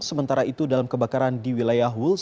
sementara itu dalam kebakaran di wilayah wholes